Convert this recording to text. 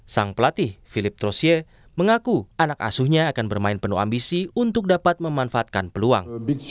sang pelatih philip trosie mengaku anak asuhnya akan bermain penuh ambisi untuk dapat memanfaatkan peluang